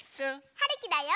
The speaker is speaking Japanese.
はるきだよ！